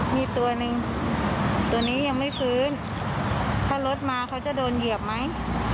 มีตัวหนึ่งตัวนี้ยังไม่ฟื้นถ้ารถมาเขาจะโดนเหยียบไหม